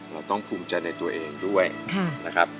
เราต้องภูมิใจในตัวเองด้วยนะครับ